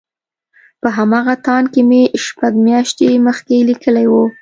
په همغه تاند کې مې شپږ مياشتې مخکې ليکلي وو.